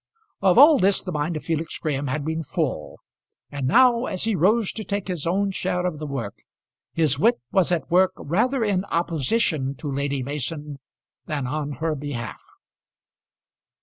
Of all this the mind of Felix Graham had been full; and now, as he rose to take his own share of the work, his wit was at work rather in opposition to Lady Mason than on her behalf.